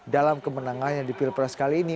dalam kemenangannya di pilpres kali ini